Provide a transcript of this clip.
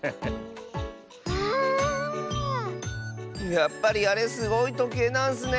やっぱりあれすごいとけいなんスね。